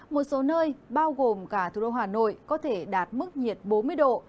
một số nơi bao gồm cả thủ đô hà nội có thể đạt mức nhiệt bốn mươi độ